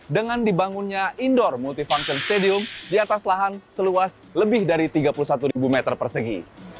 dengan dibangunnya indoor multifunction stadium di atas lahan seluas lebih dari tiga puluh satu meter persegi